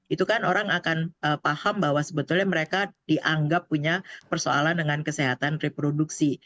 itu kan orang akan paham bahwa sebetulnya mereka dianggap punya persoalan dengan kesehatan reproduksi